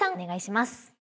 お願いします。